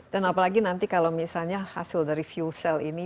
dan apalagi nanti kalau misalnya hasil dari fuel cell ini